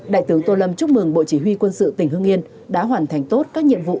đại tướng tô lâm chúc mừng bộ chỉ huy quân sự tỉnh hương yên đã hoàn thành tốt các nhiệm vụ